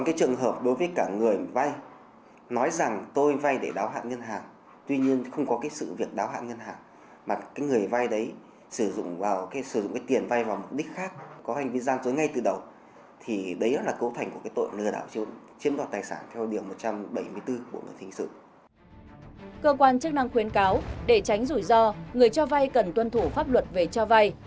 cơ quan chức năng khuyến cáo để tránh rủi ro người cho vay cần tuân thủ pháp luật về cho vay